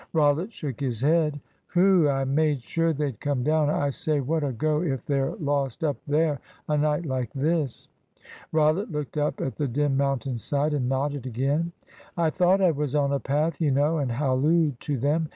Rollitt shook his head. "Whew! I made sure they'd come down. I say, what a go if they're lost up there, a night like this?" Rollitt looked up at the dim mountain side and nodded again. "I thought I was on a path, you know, and hallooed to them.